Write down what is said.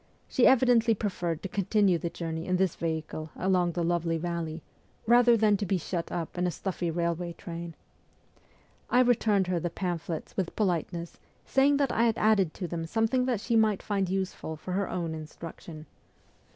She evidently preferred to continue the journey in this vehicle along the lovely valley, rather than to be shut up in a stuffy railway train. I returned her the pamphlets with politeness, saying that I had added to them something that she might find useful for her own instruction.